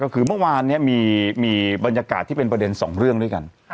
ก็คือเมื่อวานนี้มีบรรยากาศที่เป็นประเด็น๒เรื่องด้วยกัน